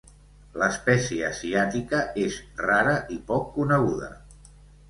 L'espècie asiàtica és rara i poc coneguda.